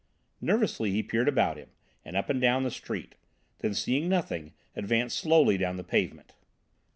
Nervously he peered about him, and up and down the street; then, seeing nothing, advanced slowly down the pavement.